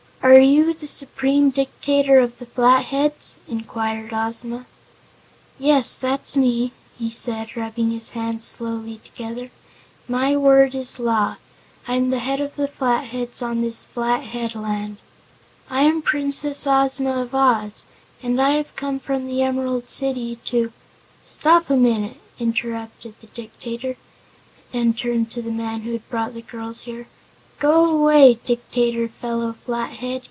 "Are you the Supreme Dictator of the Flatheads?" inquired Ozma. "Yes, that's me," he said, rubbing his hands slowly together. "My word is law. I'm the head of the Flatheads on this flat headland." "I am Princess Ozma of Oz, and I have come from the Emerald City to " "Stop a minute," interrupted the Dictator, and turned to the man who had brought the girls there. "Go away, Dictator Felo Flathead!"